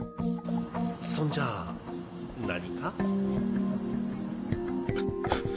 そんじゃ何か？